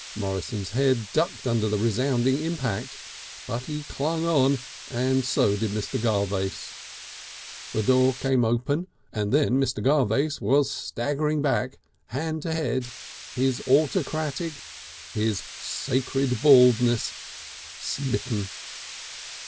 Morrison's head ducked under the resounding impact, but he clung on and so did Mr. Garvace. The door came open, and then Mr. Garvace was staggering back, hand to head; his autocratic, his sacred baldness, smitten.